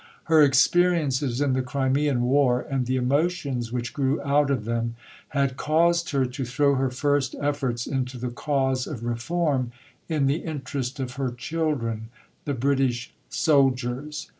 Her experiences in the Crimean War, and the emotions which grew out of them, had caused her to throw her first efforts into the cause of reform in the interest of her "children," the British soldiers.